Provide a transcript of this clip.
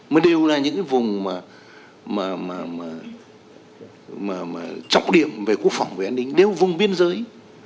mới đều là những vùng mà trọng điểm về quốc phòng về an ninh đều vùng biên giới